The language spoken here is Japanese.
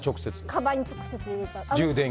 かばんに直接入れちゃう。